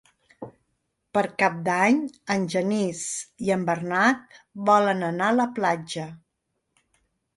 Per Cap d'Any en Genís i en Bernat volen anar a la platja.